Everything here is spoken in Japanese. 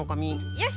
よし！